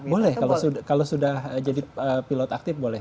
boleh kalau sudah jadi pilot aktif boleh